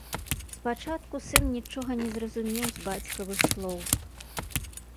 Спачатку сын нічога не зразумеў з бацькавых слоў.